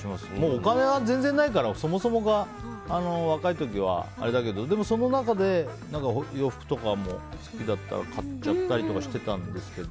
お金が全然ないからそもそもは若い時はあれだけどでもその中で洋服とかも好きだったら買っちゃったりとかしてたんですけど。